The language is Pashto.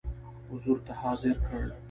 حضور ته حاضر کړ.